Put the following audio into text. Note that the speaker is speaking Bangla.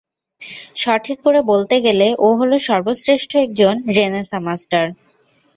সঠিক করে বলতে গেলে, ও হলো সর্বশ্রেষ্ঠ একজন রেনেসাঁ মাস্টার।